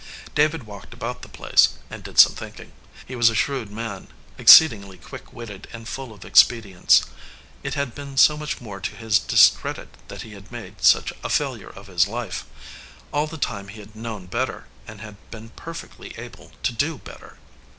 David walked about the place, and did some thinking. He was a shrewd man, exceedingly quick witted and full of expedients. It had been so much more to his discredit that he had made such a failure of his life. All the time he had known better and had been perfectly able to do better.